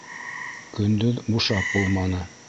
- Көндөҙ бушап булманы.